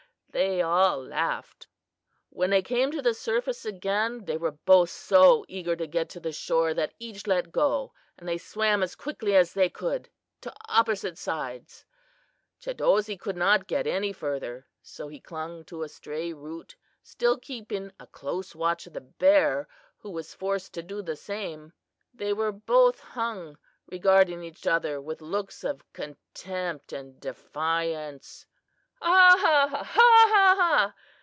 they all laughed. "When they came to the surface again they were both so eager to get to the shore that each let go, and they swam as quickly as they could to opposite sides. Chadozee could not get any further, so he clung to a stray root, still keeping a close watch of the bear, who was forced to do the same. There they both hung, regarding each other with looks of contempt and defiance." "Ha, ha, ha! ha, ha, ha!"